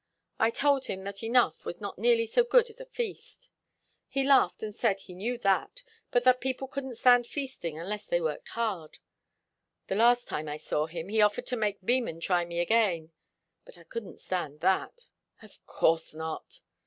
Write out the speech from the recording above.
I told him that enough was not nearly so good as a feast. He laughed and said he knew that, but that people couldn't stand feasting unless they worked hard. The last time I saw him, he offered to make Beman try me again. But I couldn't stand that." "Of course not."